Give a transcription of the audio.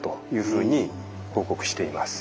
ふうに報告しています。